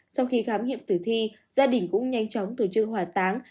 sau khi khám nghiệm tử thi gia đình cũng nhanh chóng tổ chức hòa táng